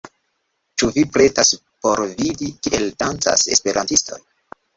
Ĉu vi pretas por vidi kiel dancas esperantistoj